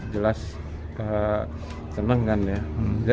jelas ketenangan ya